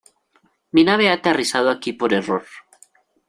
Mi nave ha aterrizado aquí por error.